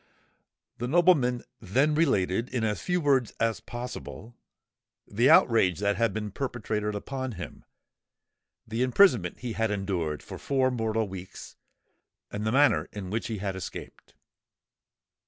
The nobleman then related, in as few words as possible, the outrage that had been perpetrated upon him—the imprisonment he had endured for four mortal weeks—and the manner in which he had escaped.